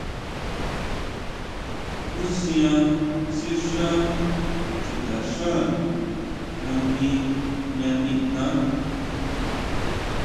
Jusin sixá chutaxá nangui jña tijnaa.